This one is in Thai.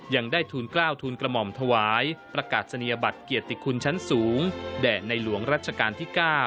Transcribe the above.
ยังได้ทูลกล้าวทูลกระหม่อมถวายประกาศนียบัตรเกียรติคุณชั้นสูงแด่ในหลวงรัชกาลที่๙